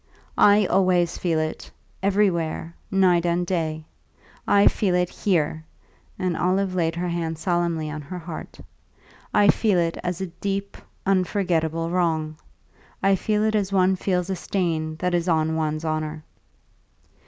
"I always feel it everywhere night and day. I feel it here"; and Olive laid her hand solemnly on her heart. "I feel it as a deep, unforgettable wrong; I feel it as one feels a stain that is on one's honour."